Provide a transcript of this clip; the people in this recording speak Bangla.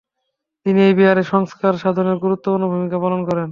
তিনি এই বিহারের সংস্কার সাধনে গুরুত্বপূর্ণ ভূমিকা পালন করেন।